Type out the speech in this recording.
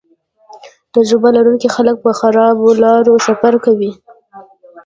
تجربه لرونکي خلک په خرابو لارو سفر کوي